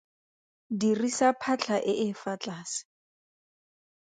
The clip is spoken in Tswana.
Dirisa phatlha e e fa tlase.